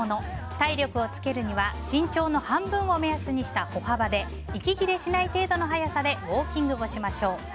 体力をつけるには身長の半分を目安にした歩幅で息切れしない程度の速さでウォーキングをしましょう。